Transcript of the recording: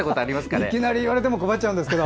いきなり言われても困っちゃいますけど。